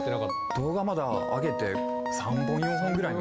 動画まだ上げて３本４本ぐらいの。